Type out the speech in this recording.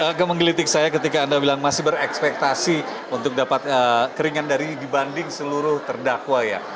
agak menggelitik saya ketika anda bilang masih berekspektasi untuk dapat keringan dari dibanding seluruh terdakwa ya